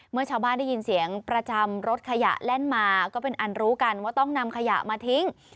เมื่อชาวบ้านได้ยินเสียงประจำรถขยะแล่นมาก็เป็นอันรู้กันว่าต้องนำขยะมาทิ้ง